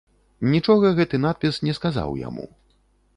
Нічога гэты надпіс не сказаў яму.